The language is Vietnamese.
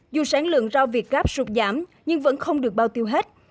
dù sản lượng rau việt gáp sụt giảm nhưng vẫn không được bao tiêu hết